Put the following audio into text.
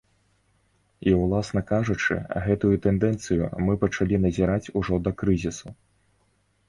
І, уласна кажучы, гэтую тэндэнцыю мы пачалі назіраць ужо да крызісу.